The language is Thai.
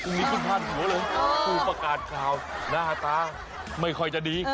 พรุ่งนี้คุณพาดหัวเลยคู่ประกาศข่าวหน้าตาไม่ค่อยจะดี